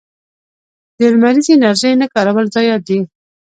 د لمریزې انرژۍ نه کارول ضایعات دي.